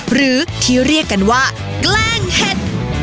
หรือที่เรียกกันว่าแกล้งเห็ด